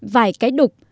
vài cái đục